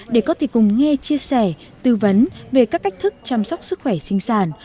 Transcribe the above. để có thể cùng nghe chia sẻ tư vấn về các cách thức chăm sóc sức khỏe sinh sản